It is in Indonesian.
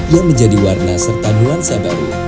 yang menjadi warna serta nuansa baru